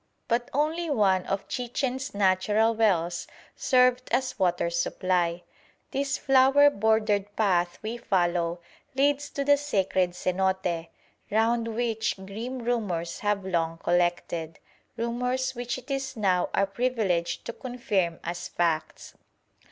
But only one of Chichen's natural wells served as water supply. This flower bordered path we follow leads to the Sacred Cenote, round which grim rumours have long collected; rumours which it is now our privilege to confirm as facts.